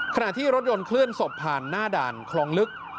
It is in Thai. ขณะที่รถยนต์เคลื่อนศพผ่านหน้าด่านคลองลึก